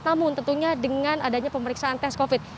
namun tentunya dengan adanya pemeriksaan tes covid